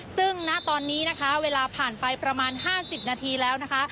ซึ่งณตอนนี้นะคะเวลาผ่านไปประมาณ๕๐นาทีแล้วนะคะ